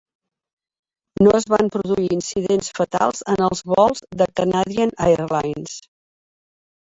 No es van produir incidents fatals en els vols de Canadian Airlines.